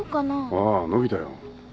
ああ伸びたよ。